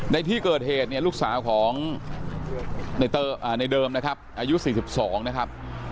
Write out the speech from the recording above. ในที่เกิดเหตุเนี่ยลูกสาวของในเดิมนะครับอายุ๔๒นะครับ